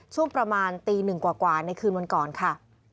ช่วงประมาณตีหนึ่งกว่าในคืนวันก่อนค่ะ